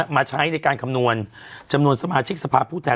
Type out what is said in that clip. มาใช้ในการคำนวณจำนวนสมาชิกสภาพผู้แทน